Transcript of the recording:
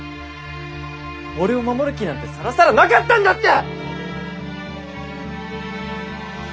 俺を守る気なんてさらさらなかったんだって！